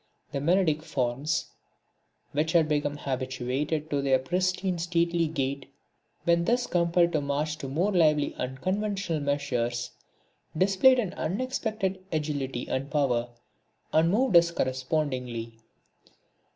The melodic forms which had become habituated to their pristine stately gait, when thus compelled to march to more lively unconventional measures, displayed an unexpected agility and power; and moved us correspondingly.